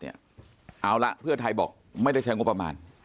เอาละเพื่อไทยบอกไม่ได้ใช้งบประมาณ